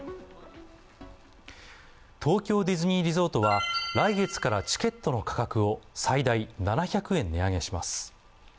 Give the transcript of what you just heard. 東京ディズニーリゾートは来月からチケットの価格を最大７００円値上げします。